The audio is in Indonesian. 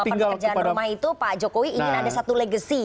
dalam pekerjaan rumah itu pak jokowi ingin ada satu legacy